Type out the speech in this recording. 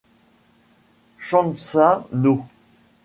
Changsha No.